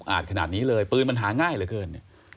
อาจขนาดนี้เลยปืนมันหาง่ายเหลือเกิน